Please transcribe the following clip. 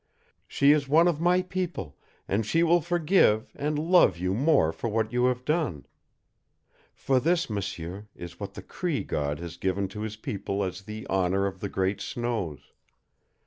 She is one of my people, and she will forgive, and love you more for what you have done. For this, m'sieur, is what the Cree god has given to his people as the honor of the great snows.